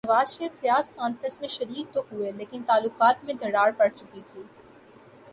نواز Sharif Riyadh conference میں شریک تو ہوئے لیکن تعلقات میں دراڑ پڑ چکی تھی۔